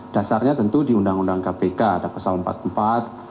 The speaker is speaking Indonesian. dasarnya tentu di undang undang kpk ada pasal empat puluh empat